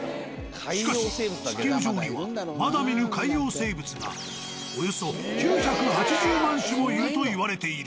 しかし地球上にはまだ見ぬ海洋生物がおよそ９８０万種もいると言われている。